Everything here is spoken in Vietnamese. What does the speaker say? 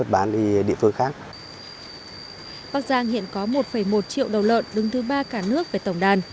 bắc giang hiện có một một triệu đầu lợn đứng thứ ba cả nước về tổng đàn